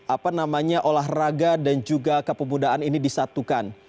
apa namanya olahraga dan juga kepemudaan ini disatukan